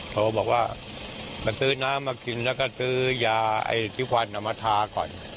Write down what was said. โทรบอกว่ามาซื้อน้ำมากินแล้วก็ซื้อยาไอ้ที่ควันเอามาทาก่อน